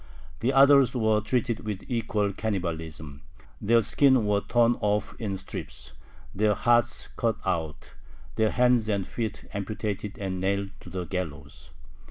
The others were treated with equal cannibalism; their skin was torn off in strips, their hearts cut out, their hands and feet amputated and nailed to the gallows.